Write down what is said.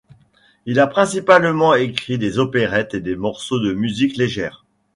Il a principalement écrit des opérettes et des morceaux de musique légère.